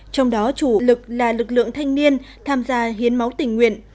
trong đó chủ lực là lực lượng thanh niên tham gia hiến máu tình nguyện